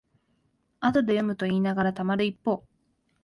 後で読むといいながらたまる一方